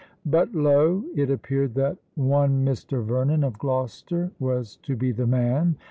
But lo! it appeared that "one Mr. Vernon, of Gloucester," was to be the man!